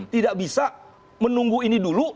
tidak bisa menunggu ini dulu